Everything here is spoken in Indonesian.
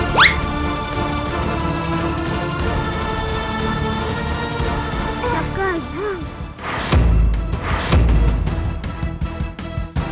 pak hasi kasih atas